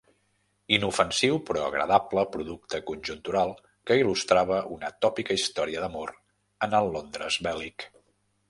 Inofensiu però agradable producte conjuntural que il·lustrava una tòpica història d'amor en el Londres bèl·lic.